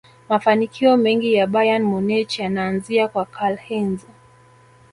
mafanikio mengi ya bayern munich yanaanzia kwa karlheinze